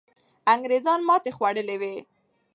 انګریزان ماتې خوړلې وو.